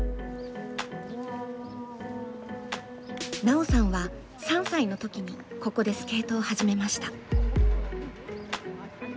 奈緒さんは３歳の時にここでスケートを始めました。